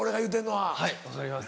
はい分かります。